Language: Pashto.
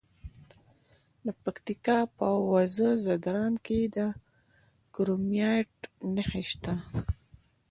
د پکتیا په وزه ځدراڼ کې د کرومایټ نښې شته.